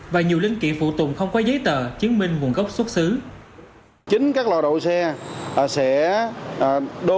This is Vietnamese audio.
và nhiều linh kiện phụ tùng không có giấy tờ chứng minh nguồn gốc xuất xứ